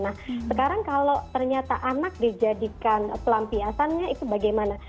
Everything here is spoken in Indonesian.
nah sekarang kalau ternyata anak dijadikan pelampiasannya itu bagaimana